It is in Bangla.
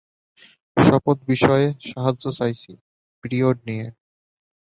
শপথ বিষয়ে সাহায্য চাইছি পরিয়ড নিয়ে না।